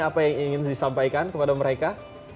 apa yang ingin disampaikan kepada mereka